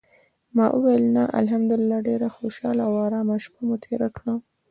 ما ویل: "نه، الحمدلله ډېره خوشاله او آرامه شپه مو تېره کړه".